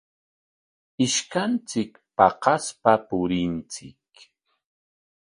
Ishkanchik paqaspa purinchik.